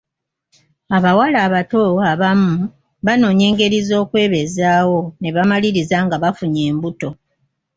Abawala abato abamu banoonya engeri z'okwebeezaawo ne bamaliriza nga bafunye embuto.